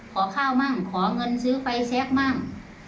ขอข้าวมั่งขอเงินซื้อไฟแชคมั่ง